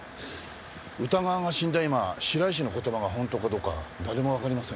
宇田川が死んだ今白石の言葉が本当かどうか誰もわかりません。